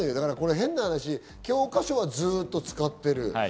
変な話、教科書はずっと使っている。